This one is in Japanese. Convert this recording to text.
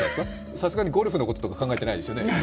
さすがにゴルフのこととか考えてないでしょう？